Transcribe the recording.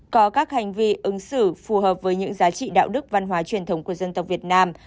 có các hành vi ứng xử phù hợp với những giá trị đạo đức văn hóa truyền thống của dân tộc việt nam